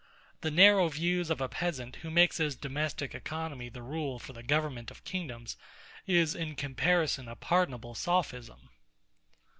The narrow views of a peasant, who makes his domestic economy the rule for the government of kingdoms, is in comparison a pardonable sophism.